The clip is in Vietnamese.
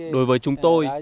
đối với chúng tôi